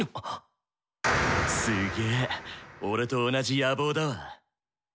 すげぇ俺と同じ野望だわ。